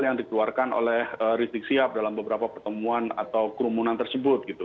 yang dikeluarkan oleh rizik sihab dalam beberapa pertemuan atau kerumunan tersebut gitu